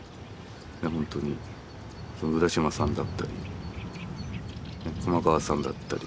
ほんとに浦島さんだったり熊川さんだったり。